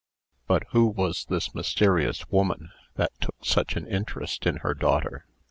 But who was this mysterious woman, that took such an interest in her daughter?